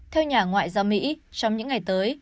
theo nhà ngoại giao mỹ trong những ngày tới